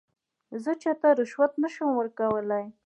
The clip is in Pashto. زه چاته رشوت نه شم ورکولای.